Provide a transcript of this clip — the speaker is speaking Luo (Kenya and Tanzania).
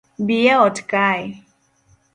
Bi eot kae